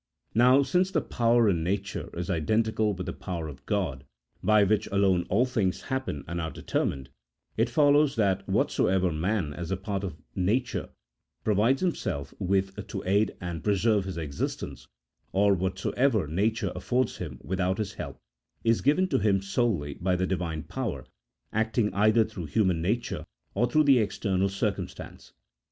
Now since the power in nature is identical with the power of God, by which alone all things happen and are determined, it follows that whatsoever man, as a part of nature, provides himself with to aid and preserve his existence, or whatsoever nature affords him without his help, is given to him solely by the Divine power, acting either through human nature or through external circumstance.